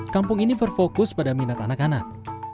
kampung ini berfokus pada minat anak anak